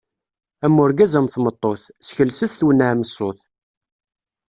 Am urgaz am tmeṭṭut, sskelset twennɛem ṣṣut!